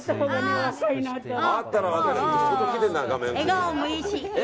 笑顔もいいし。